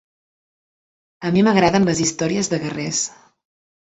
A mi m'agraden les històries de guerrers.